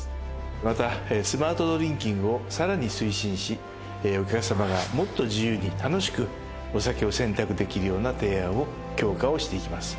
またスマートドリンキングをさらに推進しお客さまがもっと自由に楽しくお酒を選択できるような提案を強化していきます。